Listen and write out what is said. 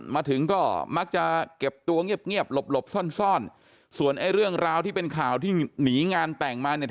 มาถึงก็มักจะเก็บตัวเงียบเงียบหลบหลบซ่อนซ่อนส่วนไอ้เรื่องราวที่เป็นข่าวที่หนีงานแต่งมาเนี่ย